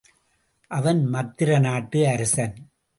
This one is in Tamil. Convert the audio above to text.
அவன் மத்திர நாட்டு அரசன்.